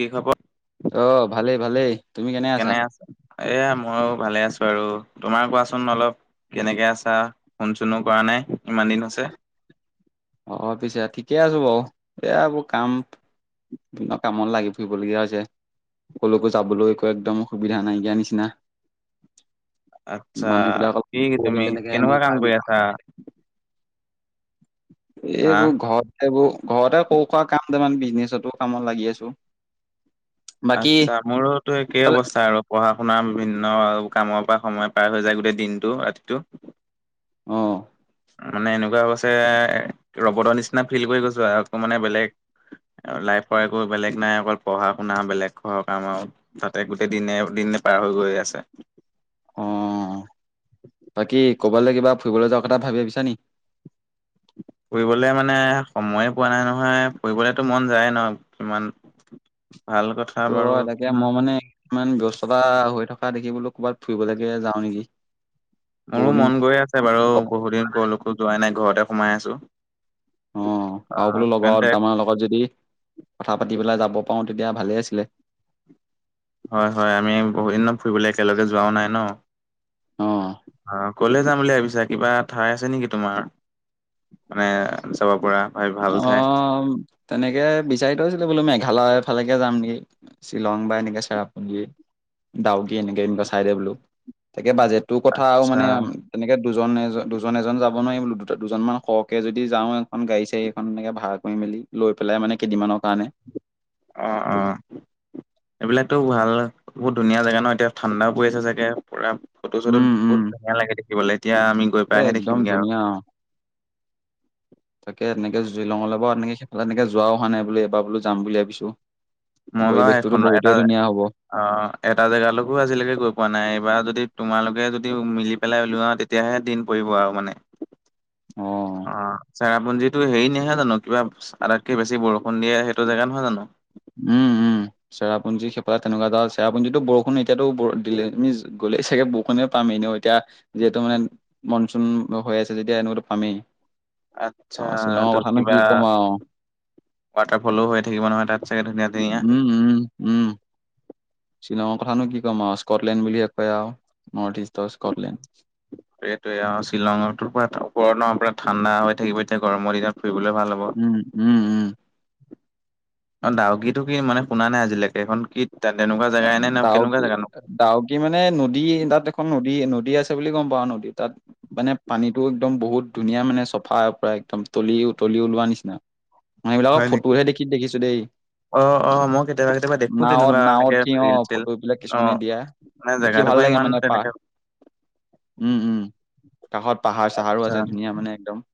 কি খবৰ? অ ভালেই ভালেই। তুমি আছা কেনে আছে এয়া ময়ো ভালে আছো আৰু তোমাৰ কোৱাচোন অলপ। কেনেকে আছা ফোন চুনো কৰা নাই ইমান দিন হৈছে। অ পিছে ঠিকে আছো বাৰু এয়া এবোৰ কাম বিম কামত লাগি ফুৰিবলগীয়া হৈছে। কলৈকো যাবলৈ একো একদম অসুবিধা নাইকিয়া নিচিনা। আচ্ছা মানুহবিলাকক কি বহুত তুমি দিন তেনেকে কেনেকুৱা কাম মিলাই কৰি মিলাখ আছা? হা এইবোৰ ঘৰতেবো ঘৰতে সৰু হোৱা কাম এটামান বিজনেচতো কামত লাগি আছো। বাকী আত্চ্ছা মোৰত তো একেই অৱস্থা আৰু পঢ়া শুনাৰ বিভিন্ন কামৰ পৰা সময় পাৰ হৈ যায় গোটেই দিনটো ৰাতিটো। অ। মানে এনেকুৱা হৈছে ৰবতৰ নিচিনা ফিল কৰি গৈছো আ একো মানে বেলেগ। লাইফৰ একো বেলেগ নাই অকল পঢ়া শুনা বেলেগ খ কাম আও। তাতে গোটেই দিনে দিনে পাৰ হৈ গৈ আছে। অ বাকী ক'বালে কিবা ফুৰিবলৈ যোৱাৰ কথা ভাবি ভাবিছা নি? ফুৰিবলৈ মানে সময় পোৱা নাই নহয় ফুৰিবলেতো মন যায় ন কিমান। ভাল কথা ত' বাৰু তাকে মই কিনো। মানে ইমান ব্যস্ততা হৈ থকা দেখি বোলো ক'ৰবাত ফুৰিবলৈকে যাওঁ নেকি? মোৰো বহুত দিন মন গৈ আছে বাৰু বহুতদিন কলৈকো যোৱাই নাই ঘৰতে সোমাই আছো। অ আও বোলো লগৰ দুটামানৰ লগত যদি কথা পাতি পেলাই যাব পাৰো তেতিয়া ভালে আছিলে। হয় হয় আমি বহুত দিনত ফুৰিবলৈ একেলগে যোৱাও নাই ন। অ ক'লে যাম বুলি ভাবিছা কিবা ঠাই আছে নেকি তোমাৰ মানে যাব পৰা। ভাই অ ভাল ঠাই তেনেকে বিচাৰি থৈছিলো বোলো মেঘালয় ফালেকে যাম নেকি শ্বিলং বা এনেকে চেৰাপুঞ্জী। ডাওকী এনেকে এনেকুৱা চাইদে বোলো তাকে বাজেটটোৰ কথা আৰু আচ্ছা মানে। তেনেকে দুজন এজন দুজন এজন যাব নোৱাৰি দু দুজনমান সৰহকে যদি যাওঁ এখন গাড়ী চাড়ী। এখন এনেকে ভাড়া কৰি মেলি লৈ পেলাই মানে কেইদিনমানৰ কাৰণে। অ অ এইবিলাকতো ভাল বহুত ধুনীয়া জেগা ন এতিয়া। ঠাণ্ডাও পৰি আছে চাগে পুৰা ফটো চটোত উম উম বহুত ধুনীয়া লাগে দেখিবলৈ এতিয়া আমি। গৈ এ পাই সে একদম দেখিমগে আও। ধুনীয়া অ তাকে এনেকে জিলঙলে বাও এ তেনেকে সেইফালে এনেকে যোৱাও হোৱা নাই বোলো এবাৰ বলো যাম বুলি ভাবিছো। মই বাৰু পৰিৱেশটোতো এখন এটা বহুতেই ধুনীয়া হ'ব। অ এটা জেগালৈকো আজিলৈকে গৈ পোৱা নাই এইবাৰ যদি তোমালোকে যদি মিলি পেলাই ওলোৱা তে- তেতিয়াহে দিন পৰিব আৰু মানে- অ চেৰাপুঞ্জীটো হেৰি নহয় জানো কিবা আটাইতকে বেছি বৰষুণ দিয়ে সেইটো জেগা নহয় জানো। উম উম চেৰাপুঞ্জী সেইফালে তেনেকুৱা জেগা চেৰাপুঞ্জটো বৰষুণ এতিয়াতো ব দিলে আমি গলে চাগে বৰষুণে পাম এনেও এতিয়া। যিহেতু মানে মনচুন হৈ আছে যেতিয়াটো এনেকুৱা পামেই অ আচ্ছা শ্বিলঙৰ তো কথানো কিবা কি ক'ম আও ৱাটাৰ ফলো হৈ থাকিব নহয় তাত চাগে ধুনীয়া ধুনীয়া উম উম শ্বিলঙৰ কথানো কি ক'ম আও স্কটলেণ্ড বুলি কয় আও নৰ্থ ইষ্টৰ স্কটলেণ্ড। এইটোয়ে আও শ্বিলঙৰটোৰ পৰা চাপৰ ন পৰা ঠাণ্ডা হৈ থাকিব এতিয়া গৰমৰ দিনত ফুৰিবলে ভাল হ'ব। উম উম উম। অ দাউকীটো কি মানে শুনা নাই আজিলৈকে এইখন কি? তাত এনেকুৱা জেগা এনে নে কেনেকুৱা ডাউকী জেগা নো। ডাউকী মানে নদী তাত এখন নদী নদী আছে বুলি গম পাওঁ নদী তাত। মানে পানীটো একদম বহুত ধুনীয়া মানে চফা পৰা একদম তলি তলিও ওলোৱা নিচিনা। [unintelligible] মানে সেইবিলাকৰ নেকি? ফটোহে দেখি দেখিছো দেই অ' অ' মই কেতিয়াবা কেতিয়াবা দেখো তেনেকুৱা নাৱত এনেকে নাৱত তি অ ৰিল চিল ফটোবিলাক অ' কিছুমানে দিয়া মানে দেখি জেগাটোকো ভাল লাগে ইমান মানে পাহ তেনেকে উম উম কাষত পাহাৰ চাহাৰো আচ্ছা আছে ধুনীয়া মানে একদম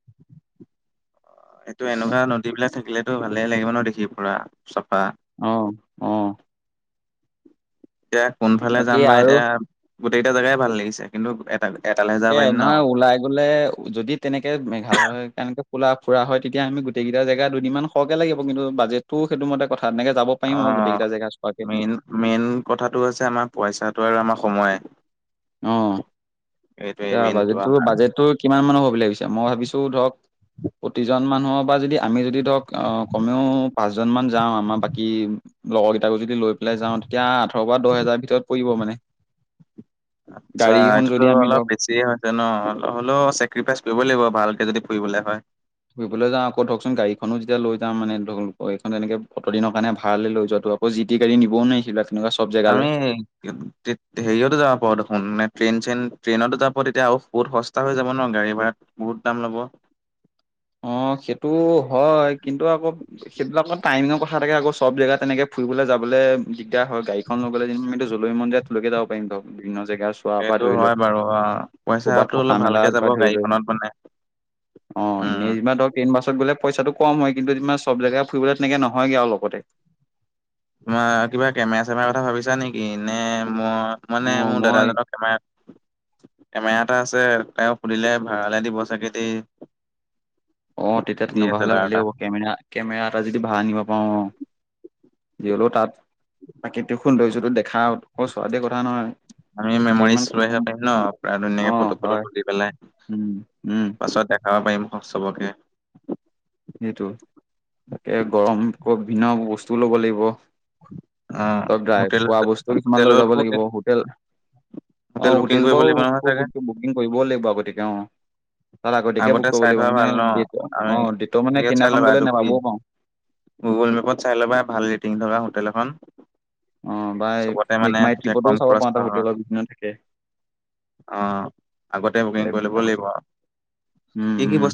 এইটো এনেকুৱা নদী বিলাক থাকিলেতো ভালে লাগিব ন দেখি পুৰা চাফা অ অ এতিয়া কোনফালে বাকী যাম বা আৰু এতিয়া গোটেইকেইটা জেগাই ভাল লাগিছে কিন্তু এটা এটালেহে যাব ঠিকে পাৰিম ন নহয় ওলাই গ'লে যদি তেনেকে মেঘালয় কেনেকে ফোলা ফুৰা হয় তেতিয়া আমি গোটেইকেইটা জেগা দুদিনমান সৰহকে লাগিব কিন্তু বাজেট তোৰ সেইটো মতে কথা এনেকে যাব অ পাৰিম আৰু গোটেইকেইটা জেগা চোৱাকে মেইন মেইন কথাটো হৈছে আমাৰ পইচাটো আৰু আমাৰ সময় অ এইটোৱে এয়া মেইনটো বাজেট আমাৰ বাজেটো কিমান মানৰ হ'ব বুলি ভাবিছে মই ভাবিছো ধৰক প্ৰতিজন মানুহৰ পৰা যদি আমি যদি ধৰক কমেও পাঁচজনমান যাওঁ আমাৰ বাকী লগৰ কেইটাকো যদি লৈ পেলাই যাওঁ তেতিয়া আঠৰ বা দহ হেজাৰ ভিতৰত পৰিব মানে আচ্ছা গাড়ীখন এইটোতো যদি আমি অলপ ধৰক বেছি হয় হৈছে ন অলপ হ'লেও চেক্ৰিফাইচ কৰিবই লাগিব ভালকে যদি ফুৰিবলে হয় ফুৰিবলৈ যাওঁ আকৌ ধৰকচোন গাড়ীখনো যেতিয়া লৈ যাম মানে ধৰক লোকৰ গাড়ীখন এনেকে অতদিনৰ কাৰণে ভাড়ালে লৈ যোৱাটো অ জিটি গাড়ী নিবও নোৱাৰি সেইবিলাকত তেনেকুৱা চব জেগালে আমি হেৰিয়তো যাব পাৰো দেখোন মে ট্ৰেইন চেইন ট্ৰেইনতো যাব পাৰোঁ তেতিয়া আও বহুত হস্ স্তা হৈ যাব ন গাড়ী ভাড়া বহুত দাম ল'ব অ সেইটো হয় কিন্তু আকৌ সেইবিলাকৰ টাইমিঙৰ কথা থাকে আকৌ চব জেগা তেনেকে ফুৰিবলৈ যাবলে দিগদাৰ হয় গাড়ীখন লৈ গ'লে যেনো জলৈমন য়ায তলৈকে যাব পাৰিম ধৰ বিভিন্ন জেগা চোৱাৰ পৰা সেইটো ধৰি হয় লৈ বাৰু অ পইচা ক'ৰবাত থকা অলপ মেলাৰ ভালকে পৰা যাব ধৰি লৈ গাড়ীখনত মানে! অ উম এনে ধৰক ট্ৰেইন বাছত গলে পইচাটো কম হয় কিন্তু তোমাৰ চব জেগাই ফুৰিবলে তেনেকে নহয়গে আৰু লগতে তোমাৰ কিবা কেমেৰা চেমেৰা কথা ভাবিছা নেকি নে মই অ মানে মোৰ মই দাদাজনক! [unintelligible] কেমেৰা এটা আছে তেওঁ সুধিলে ভাড়ালে দিব চাগে দেই। অ তেতিয়া ডি তেনেকুৱা এছ এল হ'লে আৰ ভালেই এটা হ'ব কেমেৰা কেমেৰা এটা যদি ভাড়া আনিব পাওঁ। যি হ'লেও তাত প্ৰাকৃতিক সৌন্দৰ্যটো দেখাও ছোৱাতোৱে কথা নহয়। আমি ইমান মেমৰিজ লৈ আহ পাৰিম ন অ ধুনীয়াকে ফটো ফটো হয় তুলি পেলাই উম উম পাছত দেখাব পাৰিম চবকে সেইটো তাকে গৰম ভিন্ন বস্তু ল'ব লাগিব। অ দাইৰেক হোটেল খোৱা বস্তু কিমান লৈ হোটেলতো যাব লাগিব হোটেল হোটেল অ বুকিং হোটেলৰ কৰিব বাওঁ লাগিব নহয় চাগে বুকিং কৰিবও লাগিব আগতীয়াকে অঁ। তাত আগতীয়াকে আগতে বুক কৰিব চাই লাগিব থোৱা ভাল ন মানে দি আমি অঁ দেত মানে হেৰিয়ত চাই সেইদিনাখন ল'বা গ'লে এইটো কি নোপাবও পাওঁ। গুগল মেপত চাই ল'বা ভাল ৰেটিং থকা হোটেল এখন। অঁ বাই চবতে মানে মেকমাই তেতিয়া ট্ৰিপতো কম চাব খৰচ পাৰো তাত নহয় হোটেলত বুকিংত থাকে। অ আগতে বুকিং এপ কৰি ল'ব বিলাকতো লাগিব আৰু! উম উম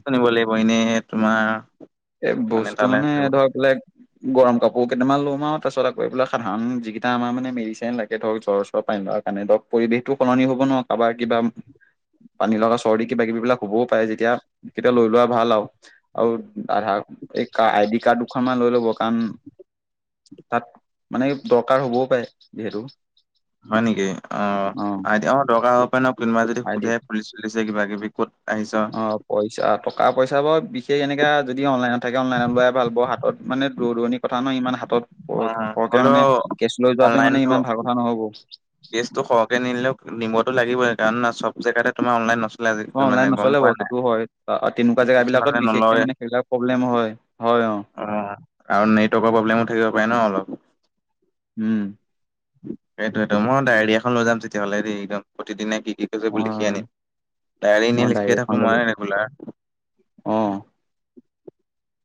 এনেই তোমাৰ এই বস্তু মানে ধৰক বলেগ গৰম কাপোৰ কেইটামান ল'ম আৰু তাৰপাছত আকৌ কাৰন যিকেইটা আমাৰ মান মেডিচিন লাগে ধৰক জ্বৰ চৰ পানী লগা কাৰণে ধৰ পৰিৱেশটো সলনি হ'ব ন। কাৰোবাৰ কিবা পানী লগা চৰ্দি কিবা কিবি বিলাক হ'বও পাৰে যেতিয়া এই কেইটা লৈ লোৱা ভাল আৰু আৰু আধা। এই আইডি কাৰ্ড দুখনমান লৈ ল'ব কাৰণ তাত মানে দৰকাৰ হ'বও পাৰে যিহেতু। হয় নেকি অ আইদি দৰকাৰ হ'ব পাৰে কোনোবা যদি সোধে পুলিছ চুলিছে কিবা কিবি ক'ত আহিছ অঁ পইচা টকা পইচা বৰ বিশেষ এনেকা যদি অনলাইনত থাকে অনলাইনত লাই ভাল হ হাতত মানে দূৰ দূৰণি কথা নহয় ইমান হাতত পৰ অ', সৰহকে মানে হ'লেও কেচ লৈ যোৱাটো মানে ইমান ভাল কথা নহ'ব। কেছ সহকে নিলেও নিবতো লাগিবই কাৰণ চব জেগাতে তোমাৰ অনলাইন নহয় অ অনলাইন নচলে বাৰু সেইটো হয় তেনেকুৱা জেগা কিছুমানে বিলাকত বিশেষকে নলয় মানে সেইবিলাক প্ৰব্লেম হয় অ। অ আৰু নেটৱৰ্কৰ প্ৰব্লেমো থাকিব পাৰে ন অলপ। উম সেইটোয়েটো মই ডায়েৰিয়া খন লৈ যাম তেতিয়াহ'লে দেই একদম প্ৰতিদিনে কি অ কি লিখি আনিম মই ডায়েৰী ডায়েৰী লিখিয়ে এখন থাকো ললো মই ৰেগুলাৰ। অ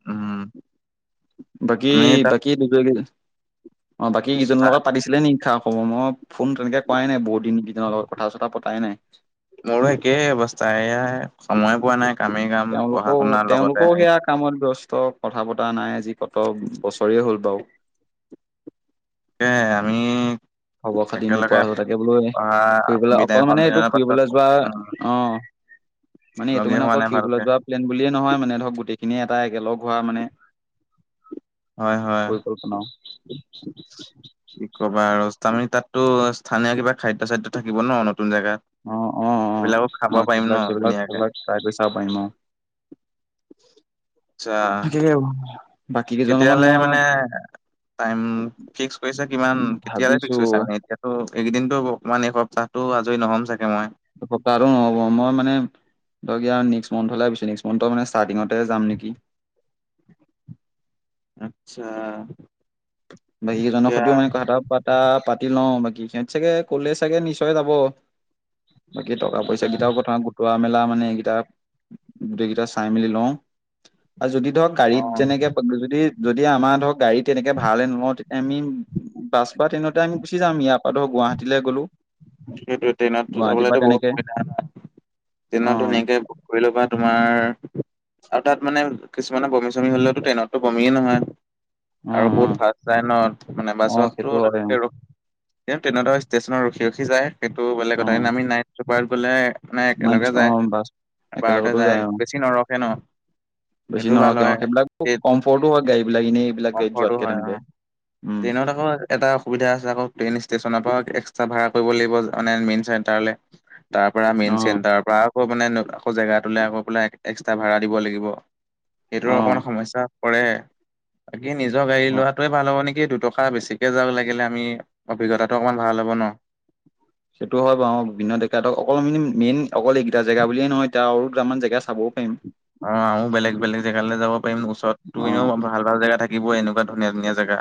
উম। বাকী আমি তাত বাকী দুজন অ বাকী কেইজনৰ লগত চা- পাতিছো। হ'ব মই ফোন তেনেকে কৰাই নাই বহুদিন ক ইকিজনৰ লগত কথা চথা পতাই নাই। মোৰো একেই অৱস্থা এয়াই সময় পোৱা নাই কামেই কাম তেওঁলোকো পঢ়া শুনাৰ তেওঁলোকও লগতে হ সেয়া কামত ব্যস্ত কথা বতা নাই আজি কত বছৰে হ'ল বাৰু এ আমি খবৰ খাতি নোপোৱা একেলগে হৈ তাকে বোলো পঢ়া ফুৰিবলে বিদায় অকল মানে এইটো সন্মিলনৰ পাছত ফুৰিবলৈ যোৱা উম অ মানে এইটো লগেই মানে হোৱা অকল নাই ভালকে ফুৰিবলৈ যোৱা প্লেন বুলিয়ে নহয় মানে ধৰক গোটেইখিনিয়ে এটা একেলগ হোৱা মানে হয় হয়। পৰিকল্পনা কি ক'বা আৰু ষ্টতামি তাতো স্থানীয় কিবা খাদ্য চাদ্য থাকিব ন নতুন জেগাত? অ অ এইবিলাকো খাব পাৰিম ন ধুনীয়াকে? তাই কৰি চাব পাৰিম আওঁ। আচ্ছা তাকে বাকী কেইজনৰ লগত কেতিয়ালে মানে মই টাইম ফিক্স কৰিছা কিমান কেতিয়ালে ভাবিছো ফিক্স কৰিছা মানে এতি তো এইকেইদিনতো অকমান এই সপ্তাহটো আজৰি নহ'ম চাগে মই। সপ্তাহটো নহ'ব। মই মানে ধৰক এই নেক্স মান্থলে ভাবিছো। নেক্স মান্থৰ মানে ষ্টাৰ্টিঙত তাতে যাম নেকি। আচ্ছা। বাকী কেইজনৰ এতিয়া সতেও মানে কথা এটা পাতা পাতি লওঁ। বাকী সিহঁত চাগে কলে চাগে নিশ্চয় যাব। বাকী টকা-পইচা কেইটাও কথা গোটোৱা মেলা মানে এইকেইটা গোটেই কেইটা চাই মেলি লওঁ। আৰু যদি ধৰক, আহ, অ গাড়ীত যেনেকে যদি- যদি আমাৰ ধৰক গাড়ী তেনেকে ভালে অ' তো এমিম- বাছ বা ট্ৰেইনতে আমি গুচি যাম। ইয়াৰ পৰা ধৰ গুৱাহাটীলৈ গ'লো। সেইটোৱে। ট্ৰেইনততো গুৱাহাটীৰ পৰা যাবলেতো বৰু তেনেকে সুবিধা হয়। অ ট্ৰেইনতো এনেকে কৰি লব পাৰা তোমাৰ আৰু তাত মানে কিছুমানে বমি-চমি হ'লেওতো ট্ৰেইনতটো বমিয়ে নহয়। অ আৰু অ বহুত ভাল চাই নত মানে অ সেইটো বাছতো হয় অ তেনেকে ৰ- কি তেনদৰে ষ্টেচনৰ ৰখি - ৰখি যায়, সেইটো বেলেগ অ কথা। আমি নাইট চুপাৰত গ'লে মানে মান একেলগে অ যায়, বাছ এবাৰতে একেলগতো যায়, অ বেছি নৰখে ন'। বেছি সেইটো ভাল নৰখে হয় অ' সেইবিলাকো কমফৰ্টো হয় গাড়ীবিলাক, এনে এইবিলাক গড়ী যোৱাতকৈ তেনেকে। উম টেইনত আকো এটা অসুবিধা আছে আকৌ, ট্ৰেইন ষ্টেচনৰ পৰা এক্সট্ৰা ভাড়া কৰিব লাগিব মানে মেইন চেণ্টাৰলে। তাৰপৰা মেইন অ চেণ্টাৰৰ পৰা আকৌ মানে ন- আকৌ জেগাটোলে আকৌ বোলে এক্সট্ৰা ভাড়া দিব লাগিব। সেইটোৰ অ অকমান সমস্যা পৰে। বাকী নিজৰ গাড়ী অ লোৱাটোৱে ভাল হ'ব নেকি দুট কাৰণ বেছিকে যা লাগিলে আমি অভিজ্ঞতাটো অকমান ভাল হ'ব ন'। সেইটো হয় বাৰু। বিভিন্ন ডেকাতো অকল আমি মেইন- অকল এইকেইটা জেগা বুলিয়ে নহয়, তিয়া আৰু দুটামান জেগা চাবও পাৰিম অ' আও বেলেগ - বেলেগ জেগালৈ যাব পাৰিম ওচৰতো অ এনেও ভাল ভাল জেগা থাকিব এনেকা, ধুনীয়া - ধুনীয়া জেগা।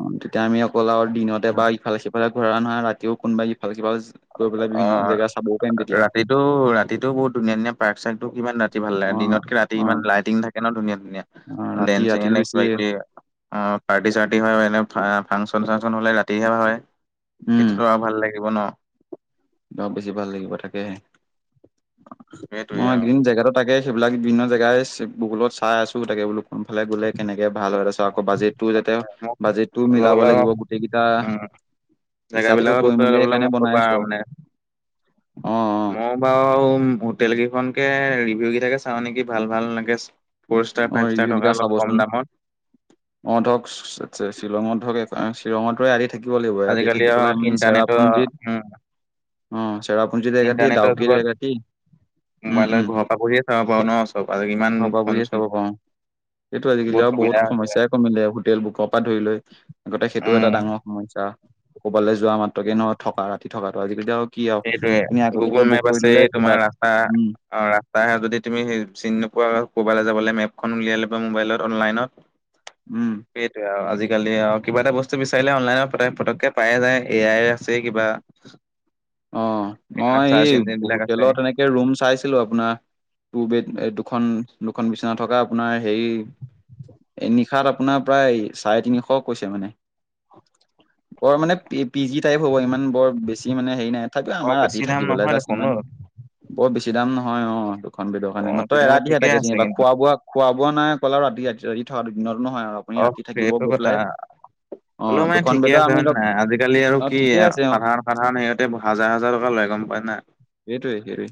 অ' তেতিয়া আমি অকল আৰু দিনতে বা ইফালে সিফালে ঘুৰা নহয়, ৰাতিও কোনোবা ইফালে সিফালে ন' অ বিভিন্ন জেগা চাব। ৰাতিটো- ৰাতিটো বহুত ধুনীয়া - ধুনীয়া পাৰ্ক চাৰ্কটো ইমান ৰাতি ভাল অ লাগে। দিনতকে ৰাতি অ ইমান লাইটিং থাকে কেনে ধুনীয়া - ধুনীয়া। অ ৰাতি দেনছেন ৰাতিটো এনে বেছি কিবাকিবি অ' পাৰ্টি - চাৰ্টি হয়, এনে ফা- ফাংচন - চাংচন হ'লে ৰাতিহে হয়। উম সেইটোতো আৰু ভাল লাগিব ন'। অ' বেছি ভাল লাগিব তাকেহে। সেইটোয়ে মই এইকেইদিন আৰু জেগাটোত তাকে, সেইবিলাক বিভিন্ন জেগাই চ- গুগুলত চাই আছোঁ। তাকে বোলো কোনফালে গ'লে কেনেকে ভাল হয়। তাছত আকৌ বাজেট টো যাতে- মোক বাজেটটো অলপ মিলাব অলপ লাগিব গোটেইগিটা উম হিচাপটো জেগাবিলাকৰ বিষয়ে কৰি-মেলি অলপ অলপ সেইকাৰণে মোক বনাই ক'বা আছোঁ আৰু। অ'। মই বাৰু হোটেল কেইখনকে ৰিভিউ কেইটাকে চাওঁ নেকি ভাল - ভাল এনেকে ফ'ৰ ষ্টাৰ, অ অ ফাইভ ৰিভিউ ষ্টাৰ কেইটা থকা অলপ চাবচোন কম দামত। অ' ধৰক ছ- শ্বিলঙত ধৰক শ্বিলঙতো এৰাতি থাক থাকিব লাগিব। এৰাতি আজিকালি থাকি আৰু পেলাই আমি ইণ্টাৰনেটৰ চেৰাপুঞ্জিত উম অ' চেৰাাপুঞজিত একৰাতি, ইণ্টাৰনেটৰ দাউকিত যুগত একৰাতি মোবাইলৰ ঘৰ পা পঢ়িয়ে চাব পাৰোঁ ন', চব আজি ইমান ফন চাব কওঁ। এইটো আজিকালি আৰু বহুত হৈছে সমস্যাই কমিলে। হোটেল বুকৰ পৰা ধৰি লৈ। আগতে সেইটো উম এটা ডাঙৰ সমস্যা। ক'বালৈ যোৱা মাত্ৰকে নহ থকা ৰাতি থকাটো। আজিকালিতো সেইটোৱে। গুগল মেপ আছে, কিবা তোমাৰ এটা ৰাস্তা উম অ' ৰাস্তা হেৰাই যদি তুমি হেই চিনি নোপোৱা, ক'ৰবালৈ যাবলৈ মেপখন উলিয়াই লবা মোবাইলত অনলাইনত। উম। সেইটোৱে আৰু, আজিকালি আও কিবা এটা বস্তু বিচাৰিলে অনলাইনত পতে - পতককে পায়ে যায়, এ আই আছে কিবা। অ' সেইদিনা মই চাৰ্চ এই ইঞ্জিন বিলাক আছে হোটেলত এনেকে ৰুম চাইছিলো আপোনাৰ। টু বেড- এ দুখন - দুখন বিচনা থকা আপোনাৰ হেৰি এ নিশাত আপোনাৰ প্ৰায় চাৰে তিনিশ কৈছে মানে [unintelligible] বৰ মানে পি পি জি টাইপ হ'ব ইমান বৰ বেছি মানে হেৰি নাই তথাপিও বৰ আমাৰ ৰাতি বেছি দাম থাকিবলে নহয় যাষ্ট দেখোন ন ইমান বৰ বেছি দাম নহয় অ দুখন বেডৰ অ কাৰনে মাত্ৰ তেতিয়াহ'লে এৰাতিহে ঠিকে তাকে আছে যেনিবা কিন্তু খোৱা বোৱা খোৱা বোৱা নাই অক'ল আৰু ৰাতি ৰাতি ৰাতি থকাটো দিনতো নহয় আৰু আপুনি অ ৰাতি থাকিব সেইটো গৈ কথা পেলাই অ হলও মানে দুখন ঠিকে বেডৰ আছে আমি হয় নে ধৰক নাই আজিকালি ঠিক আৰু অ কি ঠিকেই আছে অ সাধাৰণ সাধাৰণ হেঅ তে হাজাৰ হাজাৰ টকা লয় গম পায় নাই সেইটোৱে সেইটোৱে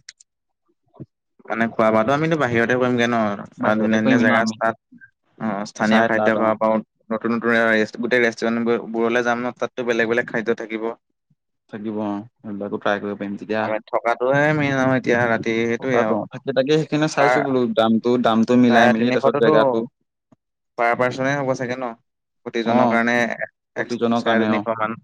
মানে খোৱা বোৱাতো আমি নো বাহিৰতে কৰিমগে ন আৰু বাহিৰতে ধুনীয়া কৰিম ধুনীয়া ন জেগা আমি চাত আহ স্থানীয় চাই তাত খাদ্য অ খাব পা-অ নতুন নতুন এ গোটেই ৰেষ্টুৰেণ্ট বু বুৰলে যাম ন তাততো বেলেগ বেলেগ খাদ্য থাকিব থাকিব অ সেইবিলাকো ট্ৰাই কৰিব পাৰিম তেতিয়া আৰু ইয়াত থকাটোহে মেইন আৰু এতিয়া ৰাতি সেইটোৱে থকাতো আৰু তাকে তাকে সেইখিনি পাৰ চাইছো বোলো দামটো দামটো মিলাই চাৰে মেলি তাৰছত তিনিশটোতো জেগাটো পাৰ পাৰ্চনে হ'ব চাগে ন অ প্ৰতিজনৰ কাৰণে এক চাৰে তিনিশ মান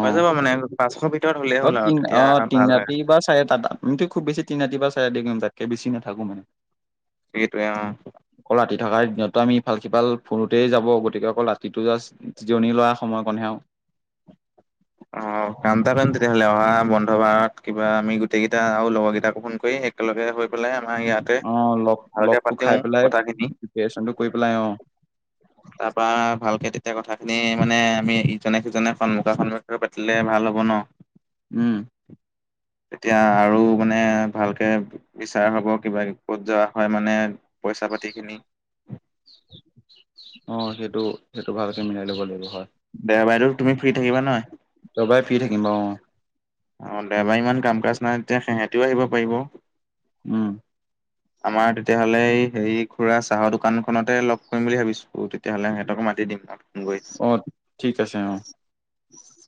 অঁ, নাই পাঁচশ ভিতৰত হ'লে অ তিন অ তিন ৰাতি বা চাৰে তাত অ আমিটো খুব বেছি তিনৰাতি বা চাৰি ৰাতি কৰিম তাতকে বেছি নাথাকো মানে সেইটোৱে অ অকল ৰাতি থকাৰ দিনত তো আমি ভাল সিফাল ফুৰোতেই যাব গতিকে অকল ৰাতিটো জাষ্ট জি জিৰণি লোৱা সময়কণহে আও অ অ কাম এটা কৰিম তেতিয়াহ'লে অহা বন্ধ বাৰত কিবা আমি গোটেই কেইটা আৰু লগৰ কেইটাকো ফোন কৰি হে একেলগে হৈ পেলাই আমাৰ ইয়াতে অ লগ ভালকে লগটো পাতিও খাই পেলাই কথাখিনি প্ৰিপেৰেচনটো কৰি পেলাই অ তাৰ পা ভালকে তেতিয়া কথা খিনি মানে আমি ইজনে সিজনে সন্মুখা সন্মুখী ৰো পাতিলে ভাল হ'ব ন উম তেতিয়া আৰু মানে ভালকে বিচাৰ হব কিবা ক'ত যোৱা হয় মানে পইচা পাতি খিনি অ সেইটো সেইটো ভালকে মিলাই ল'ব লাগিব হয়। দেওবাইদেউ তুমি ফ্ৰী থাকিবা নাই দেওবাৰে ফ্ৰি থাকিম অ অ দেওবাৰ ইমান কাম কাজ নাই তেতিয়া সিহঁতিও আহিব পাৰিব। উম। [inaudible] আমাৰ তেতিয়াহ'লে এ হেৰি খুৰা চাহৰ দোকানখনতে লগ কৰিম বুলি ভাবিছো তেতিয়াহ'লে সিহঁতক মাতি দিম মই ফোন কৰি। অঁ ঠিক আছে অঁ